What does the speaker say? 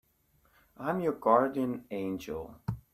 I'm your guardian angel.